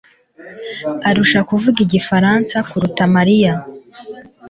arusha kuvuga igifaransa kuruta Mariya.